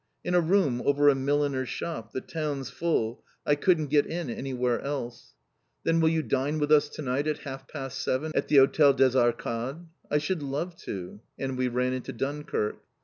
"In a room over a milliner's shop. The town's full. I couldn't get in anywhere else." "Then will you dine with us to night at half past seven, at the Hotel des Arcades?" "I should love to." And we ran into Dunkirk.